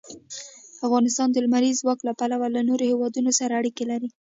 افغانستان د لمریز ځواک له پلوه له نورو هېوادونو سره اړیکې لري.